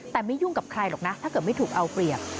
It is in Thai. แต่ไม่ยุ่งกับใครหรอกนะถ้าเกิดไม่ถูกเอาเปรียบ